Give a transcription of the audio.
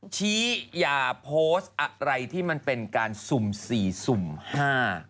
อย่าโพสต์อะไรที่มันเป็นการสุ่มสี่สุ่มห้า